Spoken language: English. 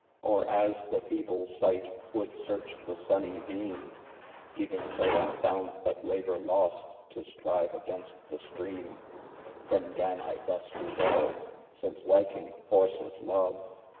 Or as the feeble sight, woulde searche the sunnie beame, Even so I founde but labour lost, to strive against the streame. Then gan I thus resolve, since liking forced love.